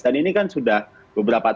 dan ini kan sudah beberapa tahap